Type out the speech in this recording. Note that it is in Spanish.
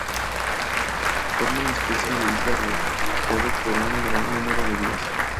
Forma una especie de isla rodeado por un gran número de vías.